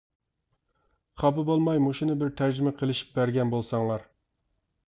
خاپا بولماي مۇشۇنى بىر تەرجىمە قىلىشىپ بەرگەن بولساڭلار.